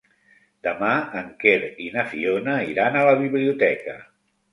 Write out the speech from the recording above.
Demà en Quer i na Fiona iran a la biblioteca.